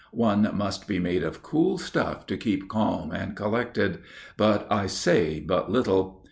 One must be made of cool stuff to keep calm and collected, but I say but little.